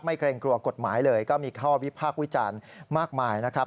เกรงกลัวกฎหมายเลยก็มีข้อวิพากษ์วิจารณ์มากมายนะครับ